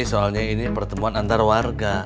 soalnya ini pertemuan antar warga